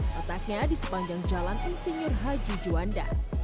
letaknya di sepanjang jalan insinyur haji juanda